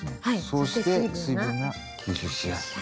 そうして水分が吸収しやすい。